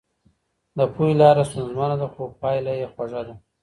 د پوهي لاره ستونزمنه ده خو پايله يې خوږه ده.